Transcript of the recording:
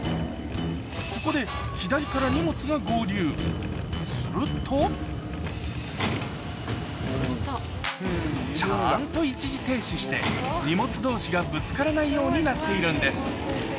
ここで左から荷物が合流するとちゃんと一時停止して荷物同士がぶつからないようになっているんです